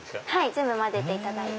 全部混ぜていただいて。